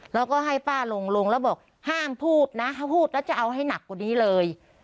แล้วก็ให้ป้าลงลงแล้วบอกห้ามพูดนะถ้าพูดแล้วจะเอาให้หนักกว่านี้เลย